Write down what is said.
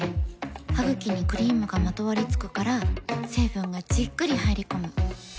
ハグキにクリームがまとわりつくから成分がじっくり入り込む。